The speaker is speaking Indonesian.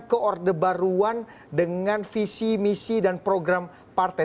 koorde baruan dengan visi misi dan program partai